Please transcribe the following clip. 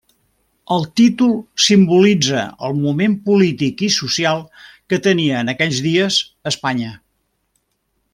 El títol simbolitza el moment polític i social que tenia en aquells dies Espanya.